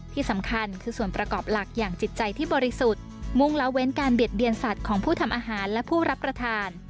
ที่สำคัญคือส่วนประกอบหลักอย่างจิตใจที่บริสุทธิ์มุ่งละเว้นการเบียดเบียนสัตว์ของผู้ทำอาหารและผู้รับประทาน